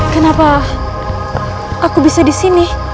kenapa aku bisa di sini